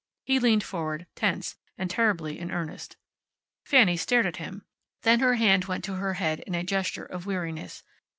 He leaned forward, tense and terribly in earnest. Fanny stared at him. Then her hand went to her head in a gesture of weariness.